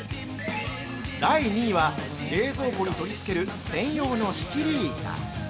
◆第２位は、冷蔵庫に取り付ける専用の仕切り板。